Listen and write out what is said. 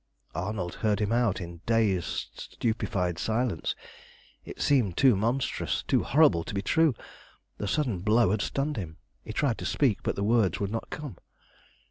Arnold heard him out in dazed, stupefied silence. It seemed too monstrous, too horrible, to be true. The sudden blow had stunned him. He tried to speak, but the words would not come.